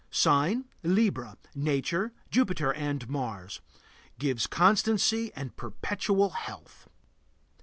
Sign: Libra. Nature: Jupiter and Mars. Gives constancy and perpetual health.